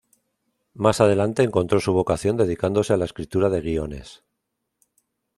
Más adelante encontró su vocación dedicándose a la escritura de guiones.